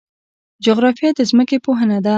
جغرافیه د ځمکې پوهنه ده